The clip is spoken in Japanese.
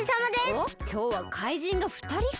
おっきょうはかいじんがふたりか。